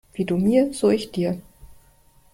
Wie du mir, so ich dir.